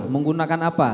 saksi berangkat apa